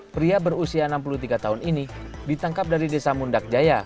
pria berusia enam puluh tiga tahun ini ditangkap dari desa mundak jaya